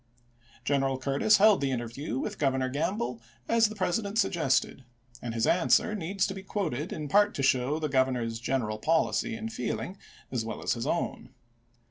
General Cui'tis held the interview with Governor Gamble as the President suggested, and his answer needs to be quoted in part to show the Governor's general policy and feeling as well as his own.